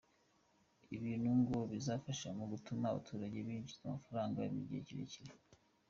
Ibintu ngo bizafasha mu gutuma abaturage binjiza amafaranga by’igihe kirekire.